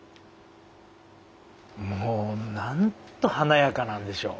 もうなんと華やかなんでしょう。